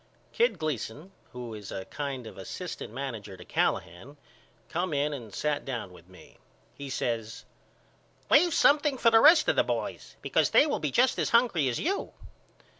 Kid Gleason who is a kind of asst. manager to Callahan come in and sat down with me. He says Leave something for the rest of the boys because they will be just as hungry as you.